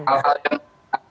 kalau yang di humanis ya